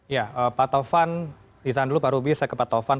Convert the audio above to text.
ya pak taufan ditahan dulu pak ruby saya ke pak taufan